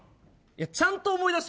ちゃんと思い出して。